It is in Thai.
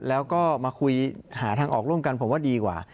แล้วก็มาคุยหาทางออกร่วมกันผมว่าดีกว่า